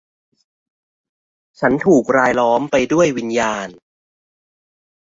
ฉันถูกรายล้อมไปด้วยวิญญาณ